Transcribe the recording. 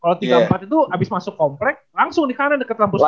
kalo tiga puluh empat itu abis masuk komplek langsung di kanan deket lampu sopan